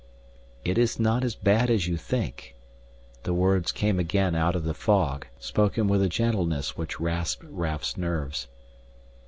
"It is not as bad as you think," the words came again out of the fog, spoken with a gentleness which rasped Raf's nerves.